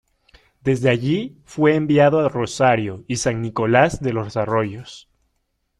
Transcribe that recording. Desde allí fue enviado a Rosario y San Nicolás de los Arroyos.